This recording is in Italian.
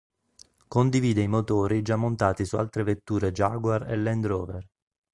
Condivide i motori già montati su altre vetture Jaguar e Land Rover.